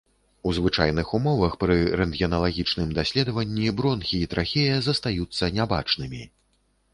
У звычайных умовах пры рэнтгеналагічным даследаванні бронхі і трахея застаюцца нябачнымі.